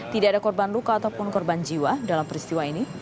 tidak ada korban luka ataupun korban jiwa dalam peristiwa ini